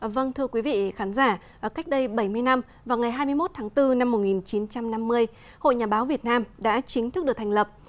vâng thưa quý vị khán giả cách đây bảy mươi năm vào ngày hai mươi một tháng bốn năm một nghìn chín trăm năm mươi hội nhà báo việt nam đã chính thức được thành lập